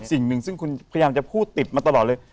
สิ่งหนึ่งซึ่งคุณพยายามจะพูดติดมาตลอดเลย